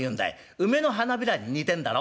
梅の花びらに似てんだろ？